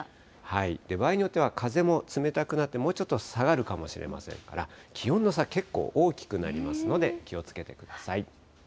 場合によっては風も冷たくなって、ちょっと下がるかもしれませんから、気温の差、結構大きくなりますので気をつけてください。